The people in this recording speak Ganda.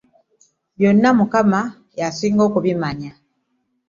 Byonna Mukama y'asinga okubimanya.